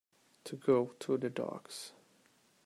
To go to the dogs.